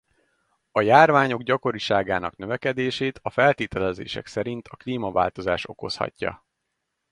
A járványok gyakoriságának növekedését a feltételezések szerint a klímaváltozás okozhatja.